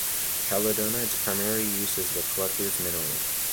Caledonite's primary use is a collector's mineral.